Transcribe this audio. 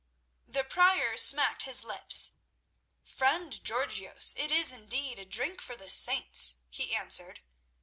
The Prior smacked his lips. "Friend Georgios, it is indeed a drink for the saints," he answered.